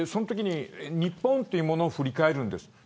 日本というものを振り返るんです。